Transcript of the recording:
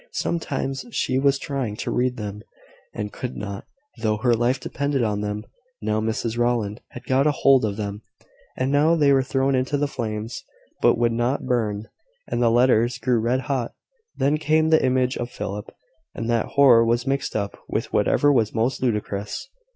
Sometimes she was trying to read them, and could not, though her life depended on them. Now Mrs Rowland had got hold of them; and now they were thrown into the flames, but would not burn, and the letters grew red hot. Then came the image of Philip; and that horror was mixed up with whatever was most ludicrous.